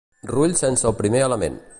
Rull sense el primer element.